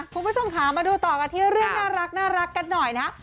คุณผู้ชมค่ะมาดูต่อกันที่เรื่องน่ารักกันหน่อยนะ